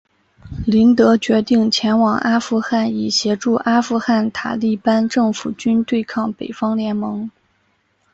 林德决定前往阿富汗以协助阿富汗塔利班政府军对抗北方联盟。